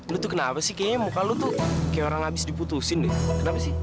lu tuh kenapa sih kayaknya muka lu tuh kayak orang habis diputusin deh kenapa sih